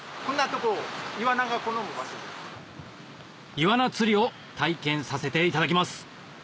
イワナ釣りを体験させていただきます